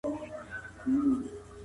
زه کولای سم تجربې وکړم.